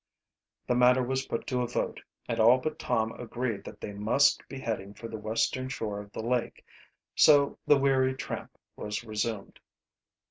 The matter was put to a vote and all but Tom agreed that they must be heading for the western shore of the lake. So the weary tramp was resumed.